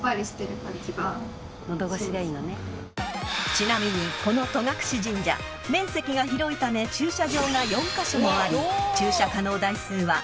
［ちなみにこの戸隠神社面積が広いため駐車場が４カ所もあり駐車可能台数はおよそ３２０台］